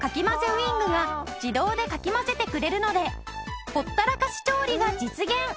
ウイングが自動でかき混ぜてくれるのでほったらかし調理が実現！